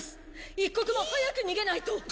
一刻も早く逃げないと。